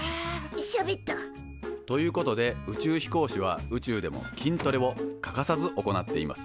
しゃべった。ということで宇宙飛行士は宇宙でも筋トレを欠かさず行っています。